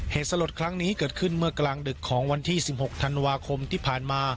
เหตุสลดครั้งนี้เกิดขึ้นเมื่อกลางดึกของวันที่๑๖ธันวาคมที่ผ่านมา